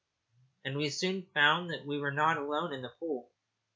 And we soon found that we were not alone in the pool.